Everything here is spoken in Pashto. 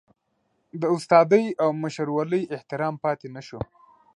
د استادۍ او مشرولۍ احترام پاتې نشو.